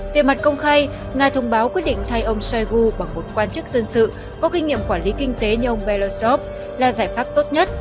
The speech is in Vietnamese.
về mặt công khai nga thông báo quyết định thay ông shoigu bằng một quan chức dân sự có kinh nghiệm quản lý kinh tế như ông belarusov là giải pháp tốt nhất